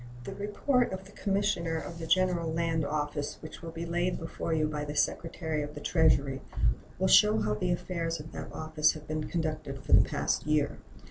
The report of the Commissioner of the General Land Office, which will be laid before you by the Secretary of the Treasury, will show how the affairs of that office have been conducted for the past year.